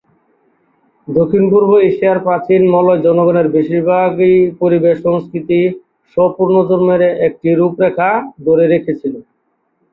দক্ষিণ-পূর্ব এশিয়ার প্রাচীন মালয় জনগণের বেশিরভাগই পরিবেশ-সংস্কৃতি স্ব-পুনর্জন্মের একটি রূপ ধরে রেখেছিল।